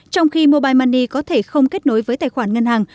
trong khi mobile money có thể không kết nối với tài khoản ngân hàng